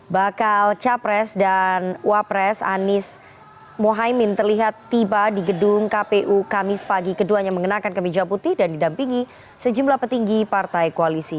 bakal capres dan wapres anies mohaimin terlihat tiba di gedung kpu kamis pagi keduanya mengenakan kemeja putih dan didampingi sejumlah petinggi partai koalisi